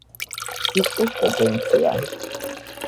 სიტყვის პოტენცია